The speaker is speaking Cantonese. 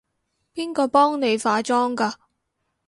邊個幫你化妝㗎？